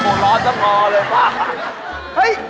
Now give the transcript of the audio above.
กินทิโกที่รอดพอเลย